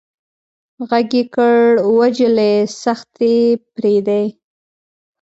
غږ يې کړ وه جلۍ سختي پرېدئ.